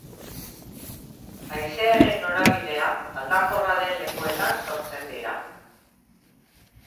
Haizearen norabidea aldakorra den lekuetan sortzen dira.